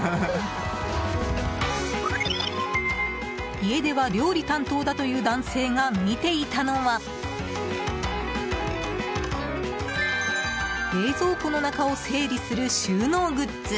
家では料理担当だという男性が見ていたのは冷蔵庫の中を整理する収納グッズ。